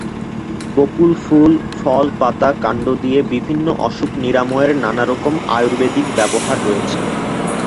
বকুল ফুল, ফল, পাতা, কাণ্ড দিয়ে বিভিন্ন অসুখ নিরাময়ের নানারকম আয়ুর্বেদিক ব্যবহার রয়েছে।